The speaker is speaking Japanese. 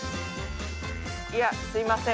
いやすみません